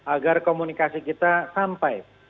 agar komunikasi kita sampai